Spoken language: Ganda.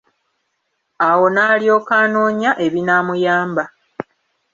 Awo n'alyoka anoonya ebinamuyamba.